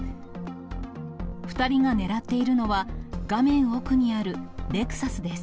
２人が狙っているのは、画面奥にあるレクサスです。